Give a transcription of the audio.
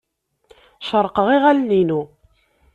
Cerrqeɣ iɣallen-inu.